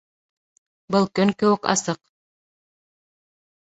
Был көн кеүек асыҡ.